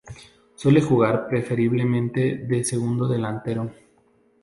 Suele jugar preferiblemente de segundo delantero.